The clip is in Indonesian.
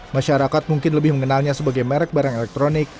masyarakat mungkin lebih mengenalnya sebagai merek barang elektronik